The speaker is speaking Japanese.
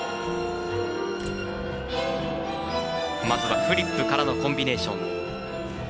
まずはフリップからのコンビネーション。